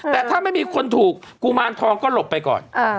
แต่ถ้าไม่มีคนถูกกุมารทองก็หลบไปก่อน